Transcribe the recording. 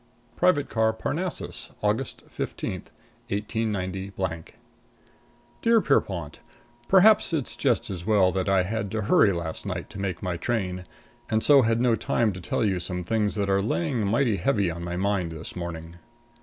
|++ VI PRIVATE CAR PARNASSUS, Aug. 15, 189 Dear Pierrepont: Perhaps it's just as well that I had to hurry last night to make my train, and so had no time to tell you some things that are laying mighty heavy on my mind this morning.